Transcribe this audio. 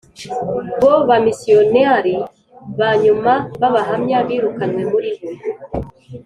bo bamisiyonari ba nyuma b Abahamya birukanywe muri bo